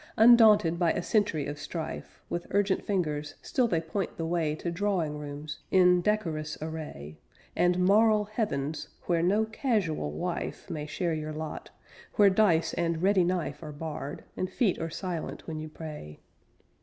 Undaunted by a century of strife, With urgent fingers still they point the way To drawing rooms, in decorous array, And moral Heavens where no casual wife May share your lot; where dice and ready knife Are barred; and feet are silent when you pray.